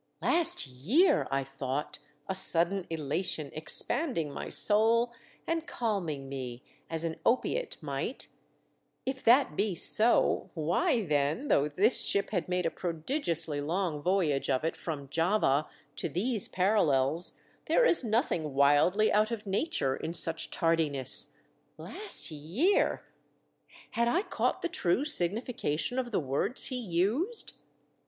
Last year! I thought, a sudden elation expanding my soul and calming me as an opiate might ; if that be so why, then, though this ship had made a prodigiously long voyage of it from Java to these parallels, there is nothing wildly out of nature in such tardiness. Last year! Had I caught the true siQ:nification of the words he used